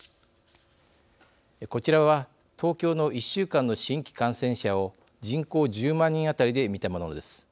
こちらは、東京の１週間の新規感染者を人口１０万人あたりで見たものです。